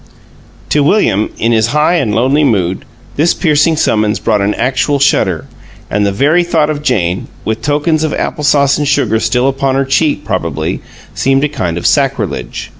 To William, in his high and lonely mood, this piercing summons brought an actual shudder, and the very thought of Jane (with tokens of apple sauce and sugar still upon her cheek, probably) seemed a kind of sacrilege.